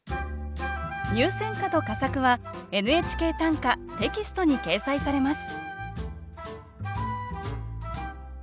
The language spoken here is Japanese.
入選歌と佳作は「ＮＨＫ短歌」テキストに掲載されます